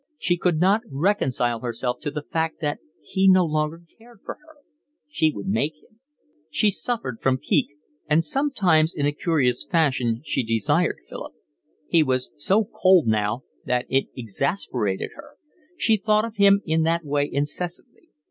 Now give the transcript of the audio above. She could not reconcile herself to the fact that he no longer cared for her. She would make him. She suffered from pique, and sometimes in a curious fashion she desired Philip. He was so cold now that it exasperated her. She thought of him in that way incessantly.